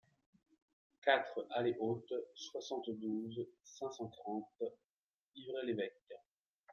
quatre allée Haute, soixante-douze, cinq cent trente, Yvré-l'Évêque